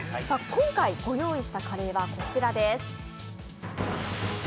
今回ご用意したカレーはこちらです。